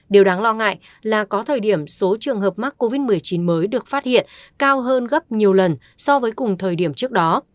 điều đáng lo ngại là có thời điểm số trường hợp mắc covid một mươi chín mới được phát hiện cao hơn gấp nhiều lần so với cùng thời điểm trước đó